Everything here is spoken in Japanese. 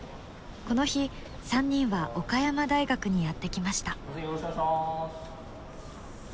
この日３人は岡山大学にやって来ました。